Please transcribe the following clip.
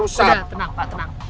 udah tenang pak tenang